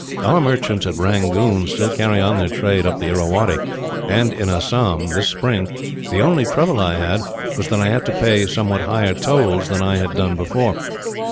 Our merchants at Rangoon still carry on their trade up the Irrawaddy; and in Assam, this spring, the only trouble I had was that I had to pay somewhat higher tolls than I had done before.